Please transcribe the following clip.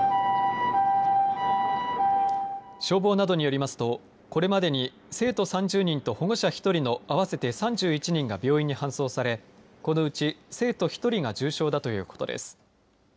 消防などによりますとこれまでに生徒３０人と保護者１人の合わせて３１人で病院に搬送されこのうち生徒１人が重症だということです。